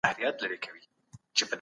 پيرودونکی د مال د ليدلو حق لري.